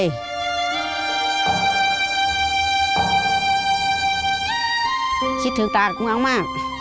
คิดถึงตามากมาก